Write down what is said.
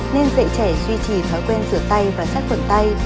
nên dạy trẻ duy trì thói quen rửa tay và xác quẩn tay